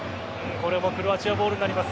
これもクロアチアボールになります。